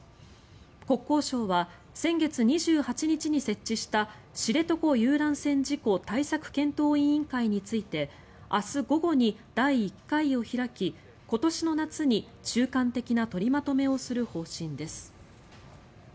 国交省は先月２８日に設置した知床遊覧船事故対策検討委員会について明日午後に第１回を開き今年の夏に中間的な取りまとめをする方針です。